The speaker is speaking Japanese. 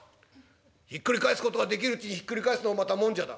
「ひっくり返すことができるうちにひっくり返すのもまたもんじゃだ」。